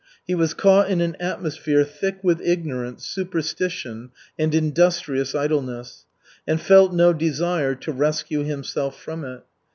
He was caught in an atmosphere thick with ignorance, superstition and industrious idleness, and felt no desire to rescue himself from it.